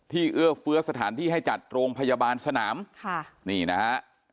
เอื้อเฟื้อสถานที่ให้จัดโรงพยาบาลสนามค่ะนี่นะฮะ